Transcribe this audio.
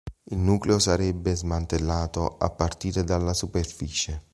Il nucleo sarebbe smantellato a partire dalla superficie.